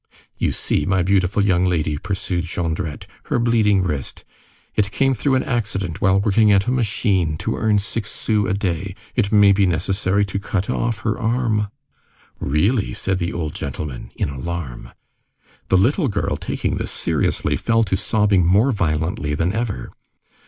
"You see, my beautiful young lady," pursued Jondrette "her bleeding wrist! It came through an accident while working at a machine to earn six sous a day. It may be necessary to cut off her arm." "Really?" said the old gentleman, in alarm. The little girl, taking this seriously, fell to sobbing more violently than ever.